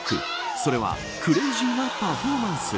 それはクレイジーなパフォーマンス。